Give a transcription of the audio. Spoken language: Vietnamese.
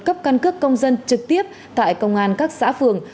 cấp căn cước công dân trực tiếp tại công an các xã phường